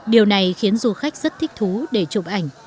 điều này khiến du khách rất thích thú để chụp ảnh